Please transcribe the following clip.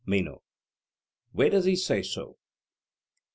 MENO: Where does he say so?